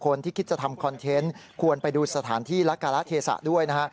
คิดจะทำคอนเทนต์ควรไปดูสถานที่ละการะเทศะด้วยนะฮะ